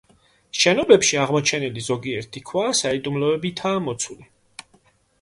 შენობებში აღმოჩენილი ზოგიერთი ქვა საიდუმლოებითაა მოცული.